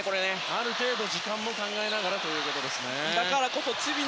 ある程度時間も考えながらということですね。